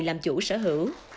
làm chủ sở hữu